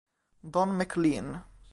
Don MacLean